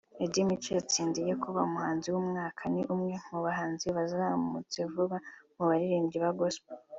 Eddie Mico watsindiye kuba umuhanzi w’umwaka ni umwe mu bahanzi bazamutse vuba mu baririmba Gospel